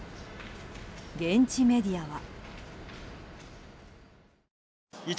現地メディアは。